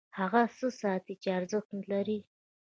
هغه څه ساتي چې ارزښت لري.